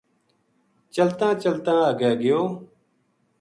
چلتاں چلتاں اگے گیو